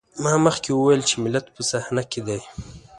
ما مخکې وويل چې ملت په صحنه کې دی.